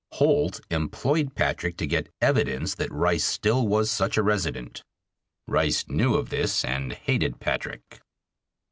Holt employed Patrick to get evidence that Rice still was such a resident. Rice knew of this and hated Patrick.